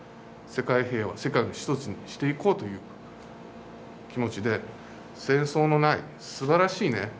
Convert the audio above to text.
世界平和世界を一つにしていこうという気持ちで戦争のないすばらしいね